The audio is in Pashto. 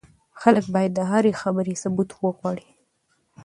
خلک بايد د هرې خبرې ثبوت وغواړي.